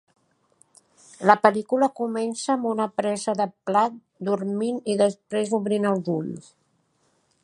La pel·lícula comença amb una presa de Plath dormint i després obrint els ulls.